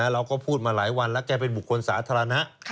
เราก็พูดมาหลายวันแล้วแกเป็นบุคคลสาธารณะ